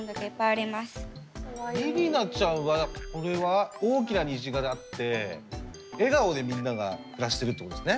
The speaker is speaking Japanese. りりなちゃんはこれは大きな虹があって笑顔でみんなが暮らしてるってことですね。